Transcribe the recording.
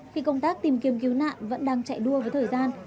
khi công tác tìm kiếm cứu nạn vẫn đang chạy đua với thời gian